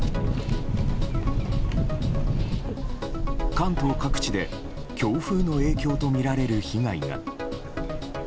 関東各地で強風の影響とみられる被害が。